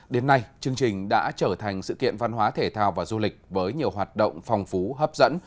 đến nay chương trình đã trở thành sự kiện văn hóa thể thao và du lịch với nhiều hoạt động phong phú hấp dẫn